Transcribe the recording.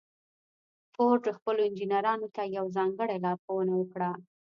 فورډ خپلو انجنيرانو ته يوه ځانګړې لارښوونه وکړه.